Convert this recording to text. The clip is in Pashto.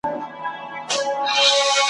چي له هري خوا یې ګورم توري شپې توري تیارې وي ,